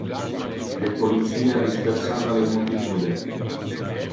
Le policia dispersava le multitude.